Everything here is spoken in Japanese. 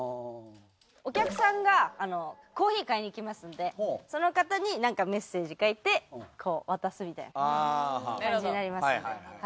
お客さんがコーヒー買いに来ますのでその方になんかメッセージ書いて渡すみたいな感じになりますね。